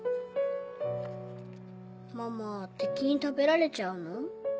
ママ敵に食べられちゃうの？